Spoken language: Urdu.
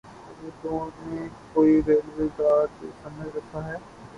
ہمیں تو نے کوئی ریلوے گارڈ سمجھ رکھا ہے؟